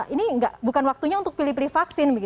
ini bukan waktunya untuk pilih pilih vaksin